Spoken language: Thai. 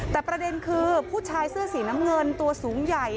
แต่ประเด็นคือผู้ชายเสื้อสีน้ำเงินตัวสูงใหญ่